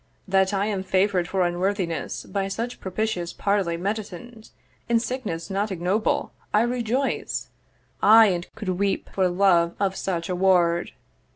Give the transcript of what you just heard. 'That I am favour'd for unworthiness, 'By such propitious parley medicin'd 'In sickness not ignoble, I rejoice, 'Aye, and could weep for love of such award.'